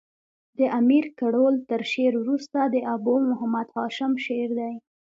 د امیر کروړ تر شعر وروسته د ابو محمد هاشم شعر دﺉ.